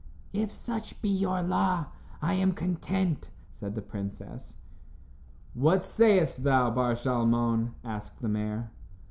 "If such be your law, I am content," said the princess. "What sayest thou, Bar Shalmon?" asked the mayor.